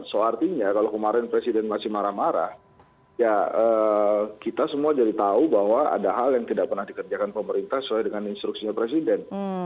so artinya kalau kemarin presiden masih marah marah ya kita semua jadi tahu bahwa ada hal yang tidak pernah dikerjakan pemerintah sesuai dengan instruksinya presiden